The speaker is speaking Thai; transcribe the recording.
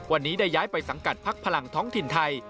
วันนี้ได้ย้ายไปสังกัดพักพลังท้องถิ่นไทย